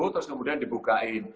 terus kemudian dibukain